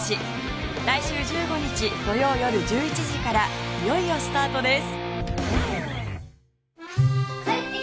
来週１５日土曜よる１１時からいよいよスタートです